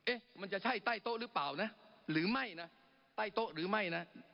มันจะใช่ใต้โต๊ะหรือเปล่านะหรือไม่นะใต้โต๊ะหรือไม่นะ